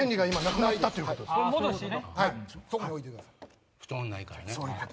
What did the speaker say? そっか布団ないからね。